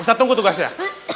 ustadz tunggu tugasnya